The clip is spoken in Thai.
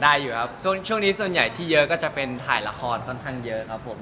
อยู่ครับช่วงนี้ส่วนใหญ่ที่เยอะก็จะเป็นถ่ายละครค่อนข้างเยอะครับผม